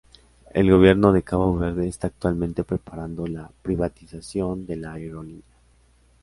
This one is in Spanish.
El gobierno de Cabo Verde está actualmente preparando la privatización de la aerolínea.